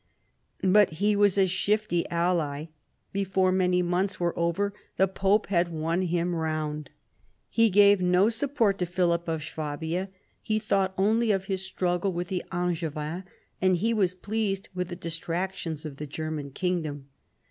But he was a shifty ally. Before many months were over the pope had won him round. He gave no support to Philip of Swabia : he thought only of his struggle with the Angevins, and he was pleased with the distractions of the German kingdom.